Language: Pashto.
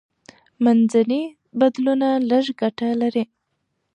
منځني بدلونونه لږه ګټه لري.